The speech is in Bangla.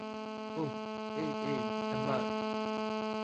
ওহ, এই, এই, এম্বার।